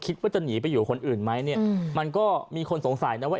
คิดว่าจะหนีไปอยู่คนอื่นไหมเนี่ยมันก็มีคนสงสัยนะว่า